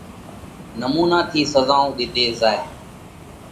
نمُونا ٿِي سزائون ۮِيڌي زائه۔